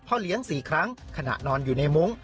เลี้ยง๔ครั้งขณะนอนอยู่ในมุ้ง